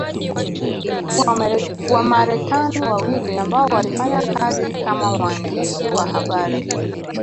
Wamarekani wawili ambao walifanya kazi kama waandishi wa habari